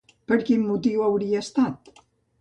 Per quin motiu hauria estat?